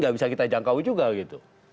gak bisa kita jangkau juga gitu